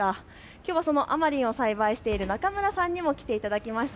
きょうはそのあまりんを栽培している中村さんにも来ていただきました。